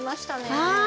はい。